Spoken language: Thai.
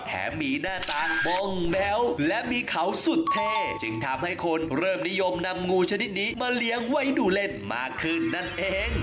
มีหน้าตาบ้องแบ๊วและมีเขาสุดเท่จึงทำให้คนเริ่มนิยมนำงูชนิดนี้มาเลี้ยงไว้ดูเล่นมากขึ้นนั่นเอง